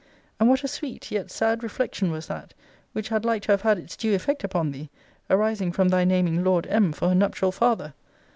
And what a sweet, yet sad reflection was that, which had like to have had its due effect upon thee, arising from thy naming Lord M. for her nuptial father?